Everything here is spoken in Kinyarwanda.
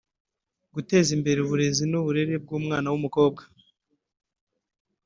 guteza imbere uburezi n’uburere bw’umwana w’umukobwa